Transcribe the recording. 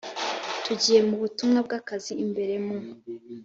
bagiye mu butumwa bw akazi imbere mu